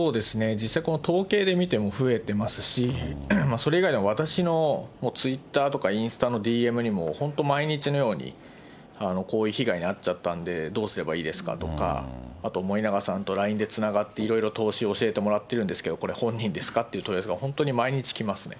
実際、統計で見ても増えていますし、それ以外でも私のツイッターとかインスタのＤＭにも、本当、毎日のようにこういう被害に遭っちゃったんでどうすればいいですかとか、あと森永さんとＬＩＮＥでつながって、いろいろ投資を教えてもらってるんですけど、これ、本人ですかという問い合わせが本当に毎日来ますね。